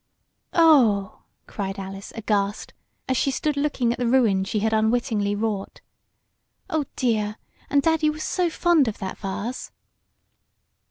"Oh!" cried Alice, aghast, as she stood looking at the ruin she had unwittingly wrought. "Oh, dear, and daddy was so fond of that vase!"